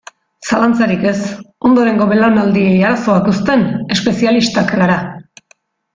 Zalantzarik ez, ondorengo belaunaldiei arazoak uzten espezialistak gara.